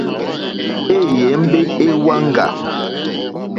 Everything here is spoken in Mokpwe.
Éyěmbé é wáŋɡà.